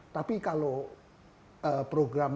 tapi kalau program oms